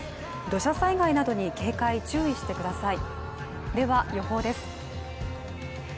土砂災害などに警戒、注意してください。